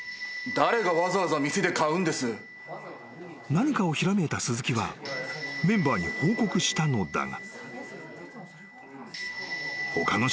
［何かをひらめいた鈴木はメンバーに報告したのだが］